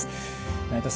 内藤さん